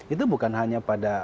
itu bukan hanya pada